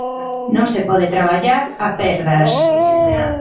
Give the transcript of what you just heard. Non se pode traballar a perdas.